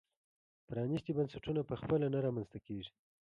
پرانیستي بنسټونه په خپله نه رامنځته کېږي.